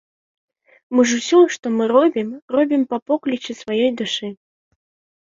Мы ж усё, што мы робім, робім па поклічы сваёй душы.